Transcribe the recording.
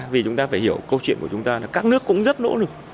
vì chúng ta phải hiểu câu chuyện của chúng ta là các nước cũng rất nỗ lực